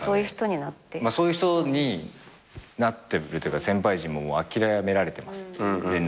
まあそういう人になってるっていうか先輩陣ももう諦められてます連絡は。